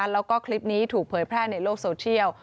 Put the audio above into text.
แล้วก็คลิปนี้ถูกเผยแพร่ในโลกโซเชียล